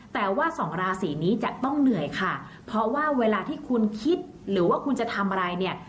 แต่ว่าสองราศีนี้จะต้องเหนื่อยค่ะเพราะว่าเวลาที่คุณคิดหรือว่าคุณจะทำอะไรเนี่ย